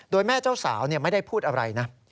โดยแม่เจ้าสาวไม่ได้พูดอะไรนะ